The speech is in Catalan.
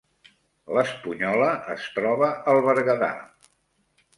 L’Espunyola es troba al Berguedà